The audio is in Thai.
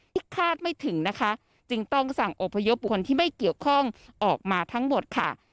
คาดไม่ถึงนะคะจึงต้องสั่งอบพยพบุคคลที่ไม่เกี่ยวข้องออกมาทั้งหมดค่ะ